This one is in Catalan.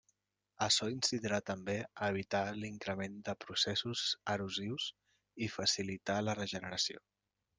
Açò incidirà també a evitar l'increment de processos erosius i facilitar la regeneració.